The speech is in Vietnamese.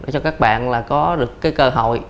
cho các bạn là có được cái cơ hội